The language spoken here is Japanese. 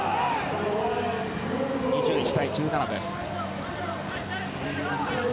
２１対１７です。